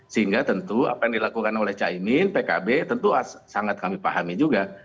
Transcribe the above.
sehingga tentu apa yang dilakukan oleh caimin pkb tentu sangat kami pahami juga